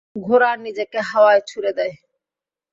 ঘোড়া নিজেকে হাওয়ায় ছুঁড়ে দেয়।